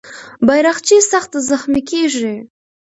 بیرغچی سخت زخمي کېږي.